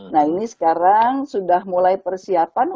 nah ini sekarang sudah mulai persiapan